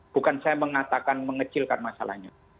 bukan saya mengatakan mengecilkan masalahnya